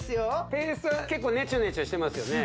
ペーストは結構ネチョネチョしてますよね